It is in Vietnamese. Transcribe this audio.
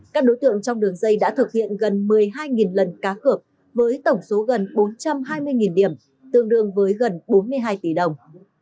các đối tượng trong đường dây đã thực hiện gần một mươi hai lần cá cược với tổng số gần bốn trăm hai mươi điểm tương đương với gần bốn mươi hai tỷ đồng